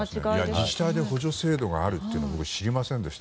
自治体に補助制度があるのは知りませんでした。